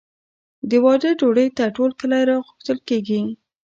د واده ډوډۍ ته ټول کلی راغوښتل کیږي.